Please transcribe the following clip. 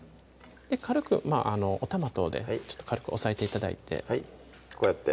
軽くおたま等でちょっと軽く押さえて頂いてはいこうやって？